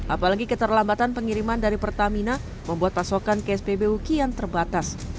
apalagi keterlambatan pengiriman dari pertamina membuat pasokan ke spbu kian terbatas